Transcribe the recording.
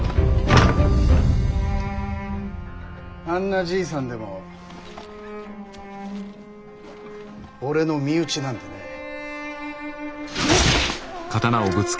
あんなじいさんでも俺の身内なんでね。